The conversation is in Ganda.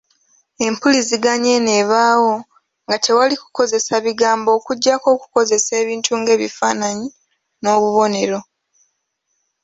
Empuliziganya eno ebaawo nga tewali kukozesa bigambo okuggyako okukozesa ebintu nga ebifaananyi n'obubonero.